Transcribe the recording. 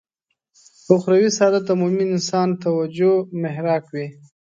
اخروي سعادت د مومن انسان توجه محراق وي.